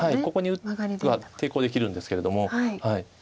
ここに打てば抵抗できるんですけれども。